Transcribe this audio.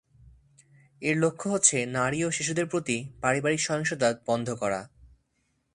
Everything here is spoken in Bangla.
এর লক্ষ্য হচ্ছে নারী ও শিশুদের প্রতি পারিবারিক সহিংসতা বন্ধ করা।